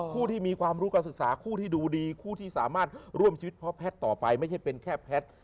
ผู้ที่มีความรู้การศึกษาคู่ที่ดูดีคู่ที่สามารถร่วมชีวิตเพราะแพทย์ต่อไปไม่ใช่เป็นแค่แพทย์